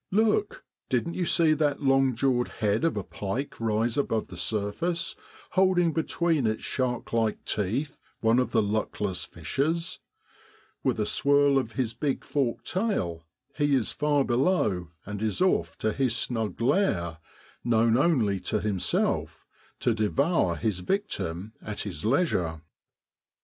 Look ! didn't you see that long jawed head of a pike rise above the surface, holding between his shark like teeth one of the luckless fishes ? With a swirl of his big forked tail, he is far below and is off to his snug lair, known only to him self, to devour his victim at his leisure.